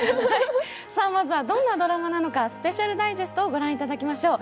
まずはどんなドラマなのかスペシャルダイジェスト御覧いただきましょう。